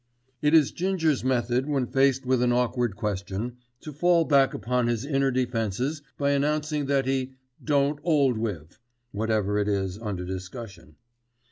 It is Ginger's method, when faced with an awkward question, to fall back upon his inner defences by announcing that he "don't 'old wiv" whatever it is under discussion.